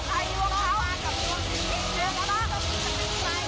ใครดีวะครับ